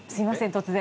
突然。